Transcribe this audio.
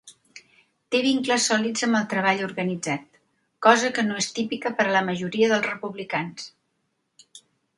Té vincles sòlids amb el treball organitzat, cosa que no és típica per a la majoria dels republicans.